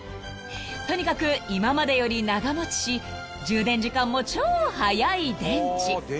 ［とにかく今までより長持ちし充電時間も超早い電池］